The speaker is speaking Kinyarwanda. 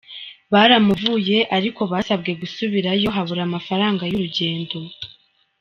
Baramuvuye ariko basabwe gusubirayo habura amafaranga y’urugendo.